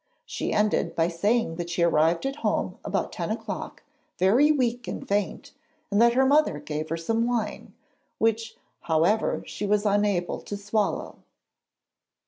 She ended by saying that she arrived at home about ten o'clock very weak and faint, and that her mother gave her some wine, which however she was unable to swallow.